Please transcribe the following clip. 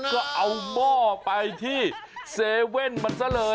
ก็เอาหม้อไปที่เซเว่นมันซะเลย